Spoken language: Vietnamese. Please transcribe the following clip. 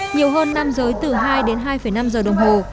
nhiều hơn nam giới từ hai đến hai năm giờ đồng hồ